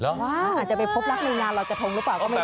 อาจจะไปพบรักในงานรอยกระทงหรือเปล่าก็ไม่รู้